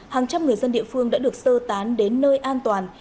hàng trăm người dân địa phương đã được sơ tán đến nơi an toàn